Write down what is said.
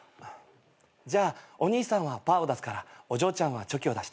じゃあお兄さんはパーを出すからお嬢ちゃんはチョキを出して。